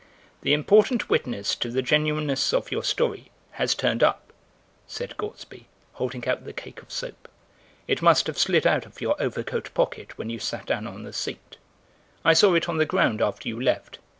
"The important witness to the genuineness of your story has turned up," said Gortsby, holding out the cake of soap; "it must have slid out of your overcoat pocket when you sat down on the seat. I saw it on the ground after you left.